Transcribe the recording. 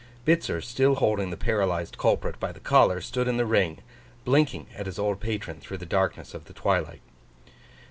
Bitzer, still holding the paralysed culprit by the collar, stood in the Ring, blinking at his old patron through the darkness of the twilight.